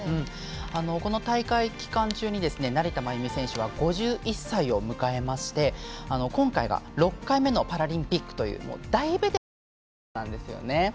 この大会期間中に成田真由美選手は５１歳を迎えまして今回が６回目のパラリンピックという大ベテランの選手なんですよね。